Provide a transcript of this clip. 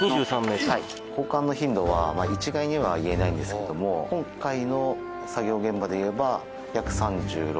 交換の頻度は一概には言えないんですけども今回の作業現場で言えば。